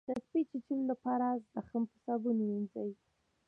د سپي د چیچلو لپاره زخم په صابون ووینځئ